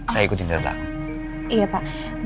saya ikutin dari belakang